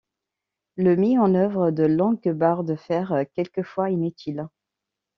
Le mit en œuvre de longues barres de fer, quelquefois inutiles.